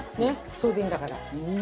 それでいいんだから。